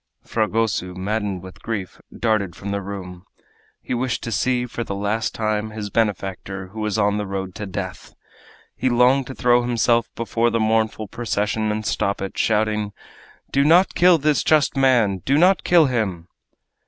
Fragoso, maddened with grief, darted from the room! He wished to see, for the last time, his benefactor who was on the road to death! He longed to throw himself before the mournful procession and stop it, shouting, "Do not kill this just man! do not kill him!"